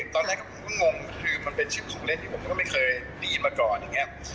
ตอนแรกผมก็งงคือมันเป็นชื่อของเล่นที่ผมก็ไม่เคยได้ยินมาก่อนอย่างนี้